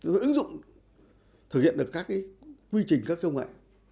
với ứng dụng thực hiện được các quy trình các công nghệ